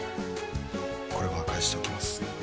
これは返しておきます